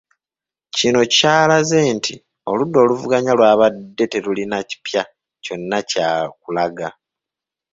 Kino kyalaze nti oludda oluvuganya lwabadde terulina kipya kyonna kyakulaga.